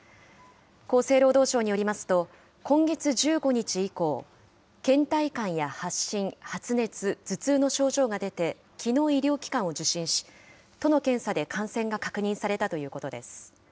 厚生労働省によりますと、今月１５日以降、けん怠感や発疹、発熱、頭痛の症状が出て、きのう、医療機関を受診し、都の検査で感染が確認されたということです。